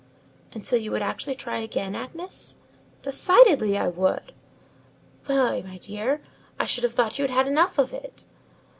"And so you would actually try again, Agnes?" "Decidedly, I would." "Why, my dear, I should have thought you had had enough of it."